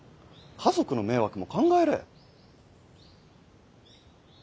家族の迷惑も考えれ。